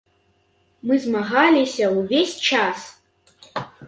Мы змагаліся ўвесь час.